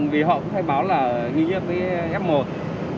vì họ cũng khai báo là nghi nhiễm với f một